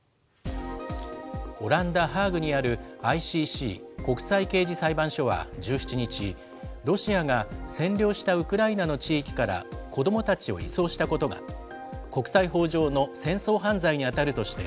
オランダ・ハーグにある、ＩＣＣ・国際刑事裁判所は１７日、ロシアが占領したウクライナの地域から子どもたちを移送したことが、国際法上の戦争犯罪に当たるとして、